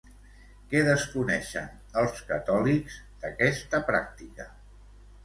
Què desconeixien, els catòlics, d'aquesta pràctica?